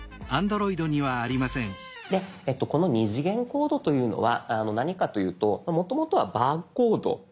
でこの２次元コードというのは何かというともともとはバーコード。